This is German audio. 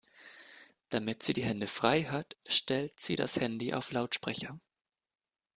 Damit sie die Hände frei hat, stellt sie das Handy auf Lautsprecher.